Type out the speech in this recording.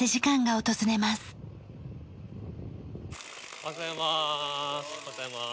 おはようございます。